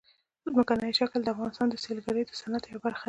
ځمکنی شکل د افغانستان د سیلګرۍ د صنعت یوه برخه ده.